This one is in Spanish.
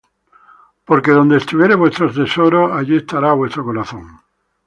Porque donde estuviere vuestro tesoro, allí estará vuestro corazón.